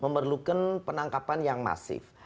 memerlukan penangkapan yang masif